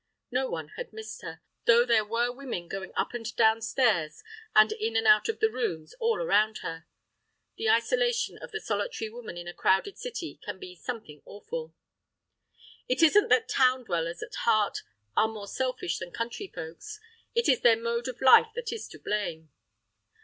No one had missed her, though there were women going up and down stairs and in and out of the rooms, all around her. The isolation of the solitary woman in a crowded city can be something awful. It isn't that town dwellers at heart are more selfish than country folks; it is their mode of life that is to blame.